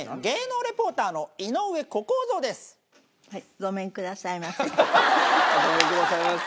ごめんくださいませ。